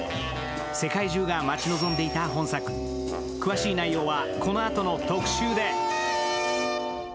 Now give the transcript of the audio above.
世界中が待ち望んでいた本作、詳しい内容はこのあとの特集で。